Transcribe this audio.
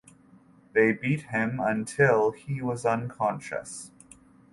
They beat him until he was unconscious.